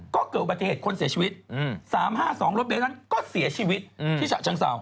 ก็เกิดอุบัติเหตุคนเสียชีวิต๓๕๒รถเบลนั้นก็เสียชีวิตที่ฉะเชิงเศร้า